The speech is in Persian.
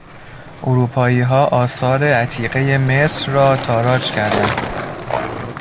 اروپاییها آثار عتیقهی مصر را تاراج کردند.